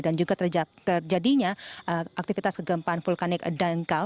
dan juga terjadinya aktivitas kegempaan vulkanik dangkal